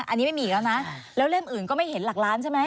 อันนี้ไม่มีอีกแล้วนะแล้วเล่มอื่นก็ไม่เห็นหลักล้านใช่ไหม